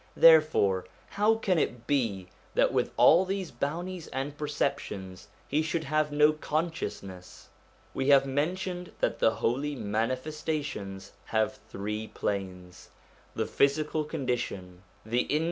Therefore how can it be that with all these bounties and perfections he should have no consciousness ? We have mentioned that the Holy Manifestations have three planes. The physical condition, the indi 1 The Manifestation.